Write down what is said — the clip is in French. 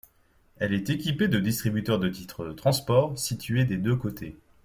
Elle est équipée de distributeurs de titres de transport, situés des deux côtés.